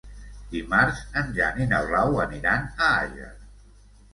Dimarts en Jan i na Blau aniran a Àger.